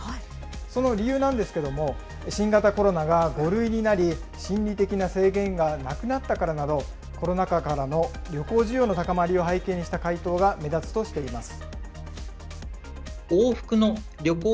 その理由なんですけれども、新型コロナが５類になり、心理的な制限がなくなったからなど、コロナ禍からの旅行需要の高まりを背景にした回答が目立つとしています。